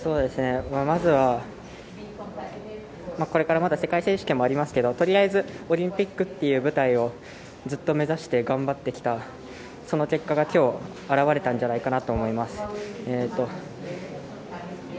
これからまだ世界選手権もありますけど、とりあえずオリンピックっていう舞台をずっと目指して頑張ってきた、その結果が今日、あらわれたんじゃないかと思います。